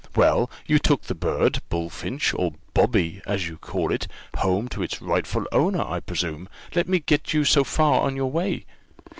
Well, you took the bird, bullfinch, or Bobby, as you call it, home to its rightful owner, I presume? Let me get you so far on your way."